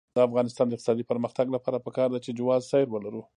د افغانستان د اقتصادي پرمختګ لپاره پکار ده چې جواز سیر ولرو.